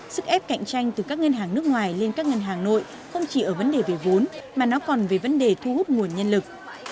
sức ép cạnh tranh từ các ngân hàng nước ngoài lên các ngân hàng nội không chỉ ở vấn đề về vốn mà nó còn về vấn đề thu hút nguồn nhân lực